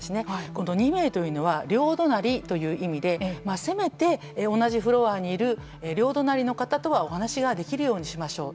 この２名というのは両隣という意味でせめて同じフロアにいる両隣の方とはお話ができるようにしましょう。